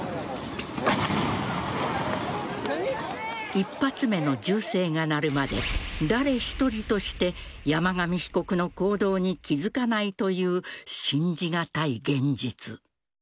１発目の銃声が鳴るまで誰１人として山上被告の行動に気付かないという信じがたい現実。